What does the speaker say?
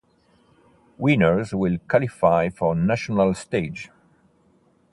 Winners will qualify for National Stage.